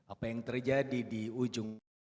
apa yang terjadi di ujung